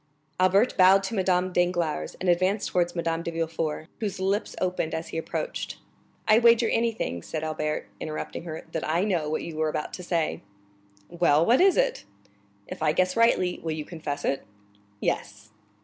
Albert bowed to Madame Danglars, and advanced towards Madame de Villefort, whose lips opened as he approached. "I wager anything," said Albert, interrupting her, "that I know what you were about to say." "Well, what is it?" "If I guess rightly, will you confess it?" "Yes."